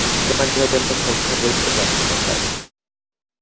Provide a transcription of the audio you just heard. তোমার ইহজন্মের সব খবরই তো রাখি, মশায়।